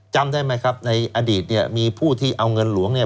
จำได้ไหมครับในอดีตเนี่ยมีผู้ที่เอาเงินหลวงเนี่ย